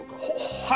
はい。